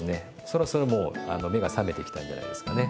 そろそろもう目が覚めてきたんじゃないですかね。